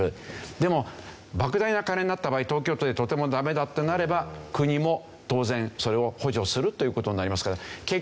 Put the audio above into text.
でも莫大な金になった場合東京都ではとても駄目だってなれば国も当然それを補助するという事になりますから。